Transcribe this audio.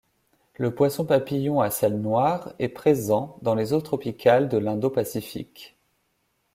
Le Poisson-papillon à selle noire est présent dans les eaux tropicales de l'Indo-Pacifique.